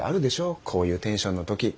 こういうテンションの時。